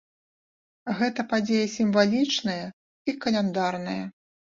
Гэта падзея сімвалічная і каляндарная.